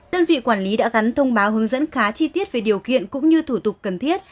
đơn vị quản lý đã gắn thông báo hướng dẫn khá chi tiết về điều kiện cũng như thủ tục cần thiết